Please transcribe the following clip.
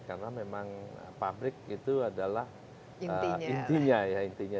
karena memang pabrik itu adalah intinya